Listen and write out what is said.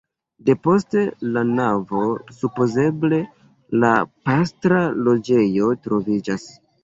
Depost la navo supozeble la pastra loĝejo troviĝas.